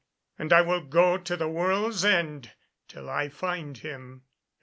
And I will go to the world's end till I find him."